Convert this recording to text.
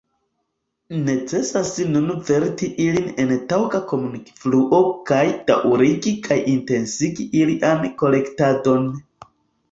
Necesas nun varti ilin en taŭga komunikfluo kaj daŭrigi kaj intensigi ilian kolektadon.